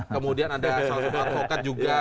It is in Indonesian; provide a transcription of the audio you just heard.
kemudian ada sejumlah advokat juga